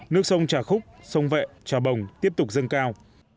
nước sông trà khúc sông vệ trà bồng tiếp tục dâng cao